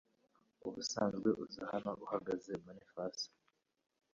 Usanzwe uza hano uhagaze Boniface